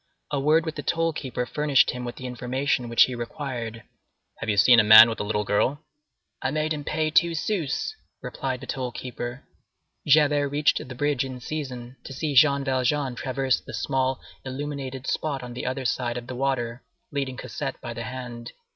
A word with the toll keeper furnished him with the information which he required: "Have you seen a man with a little girl?" "I made him pay two sous," replied the toll keeper. Javert reached the bridge in season to see Jean Valjean traverse the small illuminated spot on the other side of the water, leading Cosette by the hand.